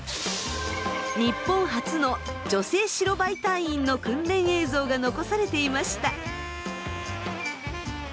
日本初の女性白バイ隊員の訓練映像が残されていました。